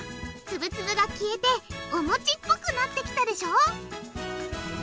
ツブツブが消えておもちっぽくなってきたでしょ？